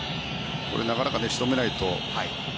なかなか仕留められない。